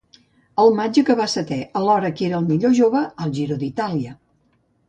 Al maig acabà setè, alhora que era el millor jove, al Giro d'Itàlia.